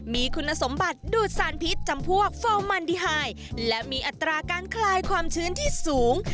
มีคุณสมบัติดูดสารพิษจำพวกฟอร์มันดีไฮและมีอัตราการคลายความชื้นที่สูง